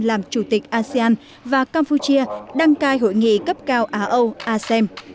làm chủ tịch asean và campuchia đăng cai hội nghị cấp cao á âu asem